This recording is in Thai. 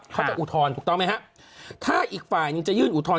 อุทธรณ์ถูกต้องไหมครับถ้าอีกฝ่ายหนึ่งจะยื่นอุทธรณ